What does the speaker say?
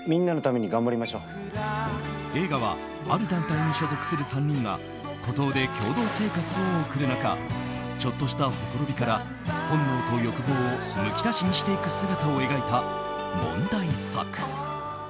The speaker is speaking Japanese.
映画はある団体に所属する３人が孤島で共同生活を送る中ちょっとしたほころびから本能と欲望をむき出しにしていく姿を描いた問題作。